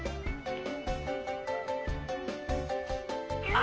あ！